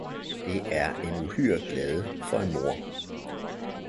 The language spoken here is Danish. Det er en uhyre glæde for en moder!